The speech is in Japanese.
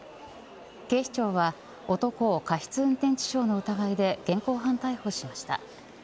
警視庁は男を過失運転致傷の疑いで現行犯逮捕しました。